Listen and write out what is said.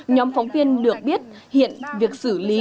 nhóm phóng viên được biết hiện việc xử lý